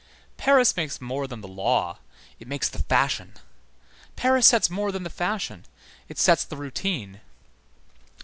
Paris makes more than the law, it makes the fashion; Paris sets more than the fashion, it sets the routine.